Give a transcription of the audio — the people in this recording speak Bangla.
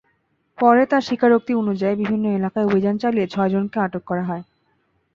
পরে তাঁর স্বীকারোক্তি অনুযায়ী বিভিন্ন এলাকায় অভিযান চালিয়ে ছয়জনকে আটক করা হয়।